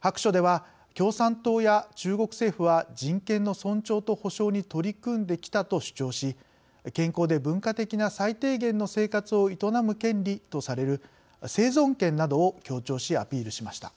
白書では共産党や中国政府は人権の尊重と保障に取り組んできたと主張し健康で文化的な最低限の生活を営む権利とされる「生存権」などを強調しアピールしました。